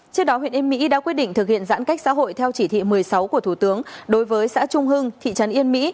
trước đó huyện yên mỹ đã quyết định thực hiện giãn cách xã hội theo chỉ thị một mươi sáu của thủ tướng đối với xã trung hưng thị trấn yên mỹ